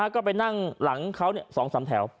ก็ไปนั่งหลังเขา๒๓แถว